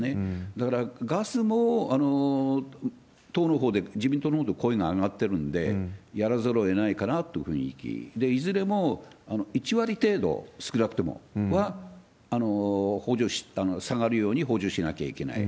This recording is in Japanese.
だから、ガスも党のほうで、自民党のほうでこういうの挙がってるんで、やらざるをえないかなという雰囲気で、いずれも１割程度、少なくとも、は、下がるように補助しなきゃいけない。